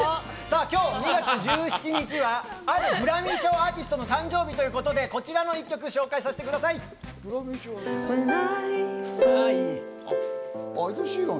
今日２月１７日は、あるグラミー賞アーティストの誕生日ということで、こちらの１曲を紹介させてください。